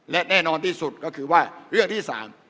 และแน่นอนที่สุดก็คือว่าเรื่องที่๓